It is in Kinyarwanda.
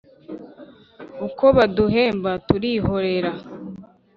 Ukwo baduhenda turihoera